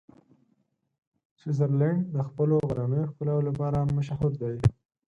سویټزرلنډ د خپلو غرنیو ښکلاوو لپاره مشهوره دی.